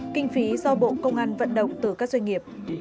kinh phí do bộ công an vận động từ các doanh nghiệp